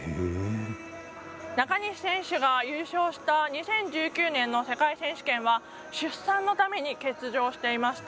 中西選手が優勝した２０１９年の世界選手権は出産のために欠場していました。